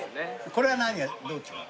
これは何がどう違う？